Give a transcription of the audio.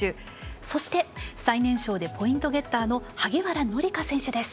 そして、最年少でポイントゲッターの萩原紀佳選手です。